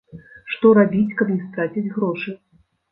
Што рабіць, каб не страціць грошы.